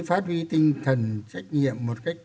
phát huy tinh thần trách nhiệm